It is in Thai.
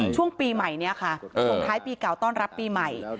ช่วงปีใหม่นี้ค่ะส่งท้ายปีเก่าต้อนรับปีใหม่